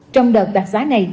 trong đợt đặc sá